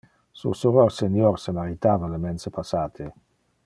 Su soror senior se maritava le mense passate.